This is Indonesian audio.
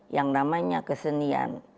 yang namanya kesenian